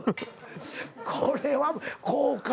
これはこうか。